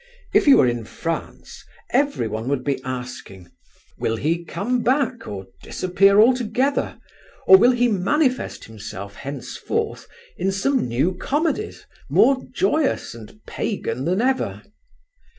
If you were in France, everyone would be asking: will he come back or disappear altogether? or will he manifest himself henceforth in some new comedies, more joyous and pagan than ever?"